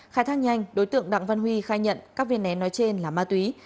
khai thác nhanh đối tượng đặng văn huy khai nhận các viên nén nói trên là ma túy